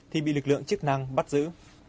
thì bị lực lượng chức năng bắt giữ